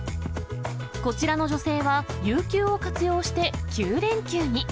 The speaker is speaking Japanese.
こちらの女性は、有休を活用して９連休に。